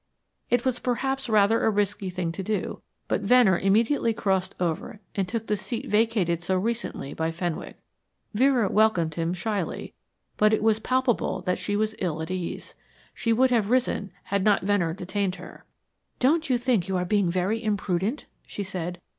It was perhaps rather a risky thing to do, but Venner immediately crossed over and took the seat vacated so recently by Fenwick. Vera welcomed him shyly, but it was palpable that she was ill at ease. She would have risen had not Venner detained her. "Don't you think you are very imprudent?" she said.